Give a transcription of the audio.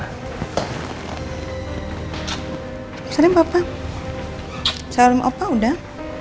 hai salam papa salam opa udah